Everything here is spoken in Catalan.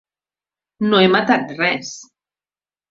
No he matat res.